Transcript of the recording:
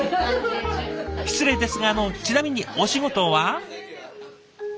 失礼ですがちなみにお仕事は？